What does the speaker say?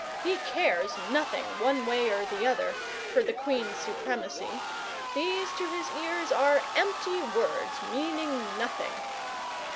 He cares nothing, one way or the other, for the Queen's supremacy; these to his ears are empty words, meaning nothing.